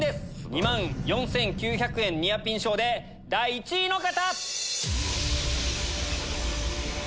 ２万４９００円ニアピン賞で第１位の方！